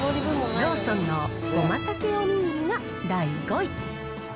ローソンの胡麻さけおにぎりが第５位。